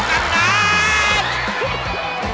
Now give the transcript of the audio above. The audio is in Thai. กำนัน